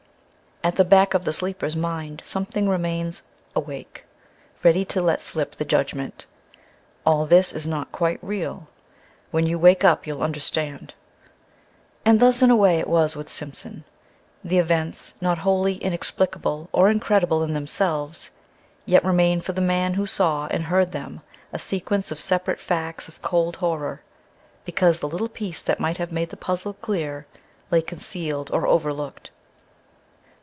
At the back of the sleeper's mind something remains awake, ready to let slip the judgment. "All this is not quite real; when you wake up you'll understand." And thus, in a way, it was with Simpson. The events, not wholly inexplicable or incredible in themselves, yet remain for the man who saw and heard them a sequence of separate facts of cold horror, because the little piece that might have made the puzzle clear lay concealed or overlooked.